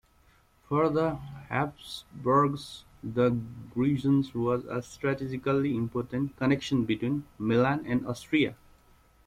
For the Habsburgs, the Grisons was a strategically important connection between Milan and Austria.